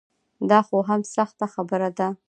دا خو هم سخته خبره ده.